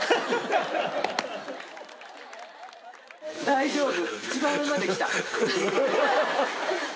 大丈夫。